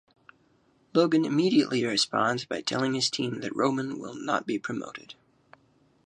Logan immediately responds by telling his team that Roman will not be promoted.